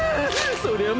そりゃあ